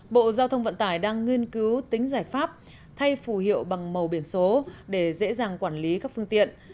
bộ giao thông vận tải đang nghiên cứu tính giải pháp thay phù hiệu bằng màu biển số để dễ dàng quản lý các phương tiện